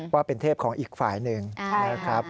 ว่าเป็นเทพของอีกฝ่ายหนึ่งนะครับ